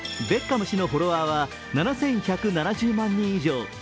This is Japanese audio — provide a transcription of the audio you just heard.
ベッカム氏のフォロワーは７１７０万人以上。